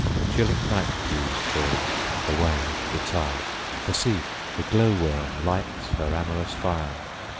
The chilling night dews fall: away, retire; For see, the glow worm lights her amorous fire!